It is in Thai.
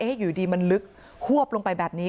ให้อยู่ดีมันลึกควบลงไปแบบนี้